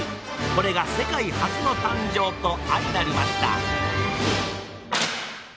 これが世界初の誕生と相成りました！